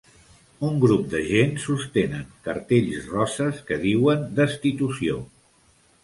Un grup de gent sostenen cartells roses que diuen, Destitució.